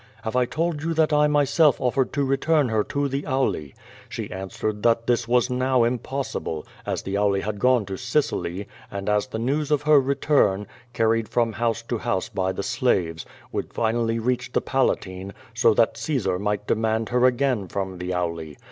Have I told you that I myself offered to return her to the Auli? She answered that this was now impossible, as the Auli had gone to Sicily, and as the news of her return, carried from house to house by the slaves, would finally reach the Palatine, so that Caesar might demand her again from the Auli.